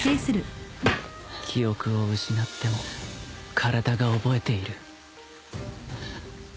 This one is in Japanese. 記憶を失っても体が覚えている